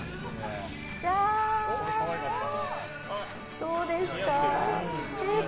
どうですか？